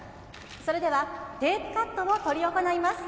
それではテープカットを執り行います。